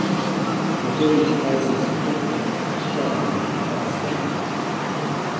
The village faces frequent shelling from Pakistan.